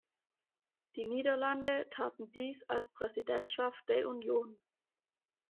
Die Niederlande taten dies als Präsidentschaft der Union.